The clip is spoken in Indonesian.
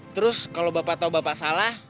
terus kalau bapak tahu bapak salah